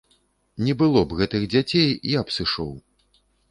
Не было б гэтых дзяцей, я б сышоў.